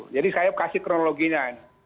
jadi saya kasih kronologinya